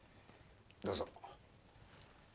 どうぞ。